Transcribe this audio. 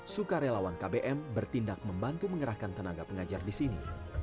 sukarelawan kbm bertindak membantu mengerahkan tenaga pengajar di sini